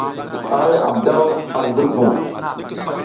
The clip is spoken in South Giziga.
Ara yaʼam daw ar ngurvung.